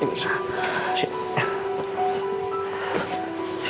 ada apa sih